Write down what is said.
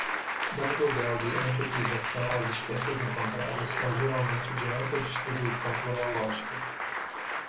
Dado o grau de antropização, as espécies encontradas são geralmente de ampla distribuição cronológica.